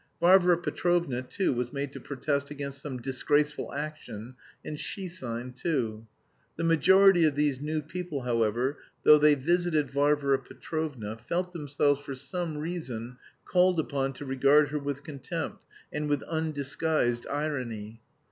Varvara Petrovna too was made to protest against some "disgraceful action" and she signed too. The majority of these new people, however, though they visited Varvara Petrovna, felt themselves for some reason called upon to regard her with contempt, and with undisguised irony.